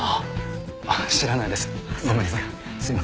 知らないです。